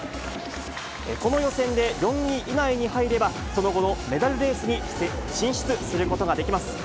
この予選で４位以内に入れば、その後のメダルレースに進出することができます。